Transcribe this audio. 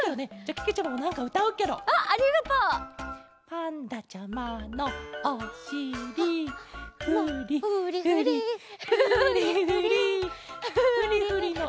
パンダちゃまのおしりフリフリフリフリフリフリのあとは。